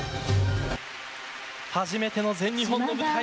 初めての全日本の舞台。